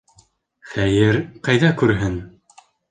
Хәйер, ҡайҙа күрһен?